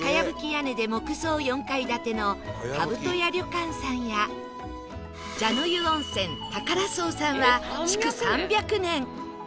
屋根で木造４階建ての兜家旅館さんや蛇の湯温泉たから荘さんは築３００年